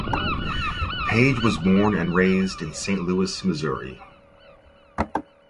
Page was born and raised in Saint Louis, Missouri.